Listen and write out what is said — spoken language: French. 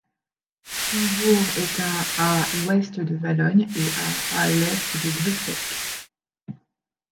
Son bourg est à à l'ouest de Valognes et à à l'est de Bricquebec.